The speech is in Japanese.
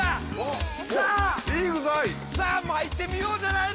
さぁ巻いてみようじゃないの！